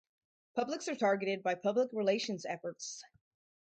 Publics are targeted by public relations efforts.